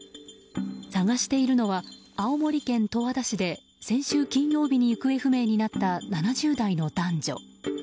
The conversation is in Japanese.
捜しているのは青森県十和田市で先週金曜日に行方不明になった７０代の男女。